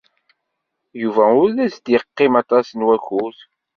Yuba ur as-d-yeqqim aṭas n wakud.